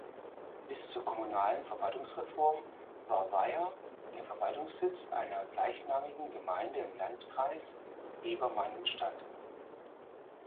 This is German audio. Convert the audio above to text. Bis zur kommunalen Verwaltungsreform war Weiher der Verwaltungssitz einer gleichnamigen Gemeinde im Landkreis Ebermannstadt.